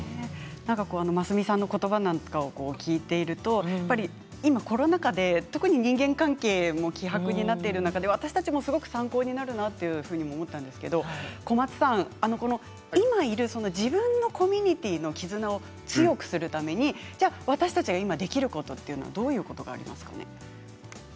真澄さんのことばなんかを聞いていると今コロナ禍で特に人間関係も希薄になっている中で私たちもすごく参考になるなと思ったんですけれども小松さん、今いる自分のコミュニティーの絆を強くするために私たちが今できることはどういうことがありますか？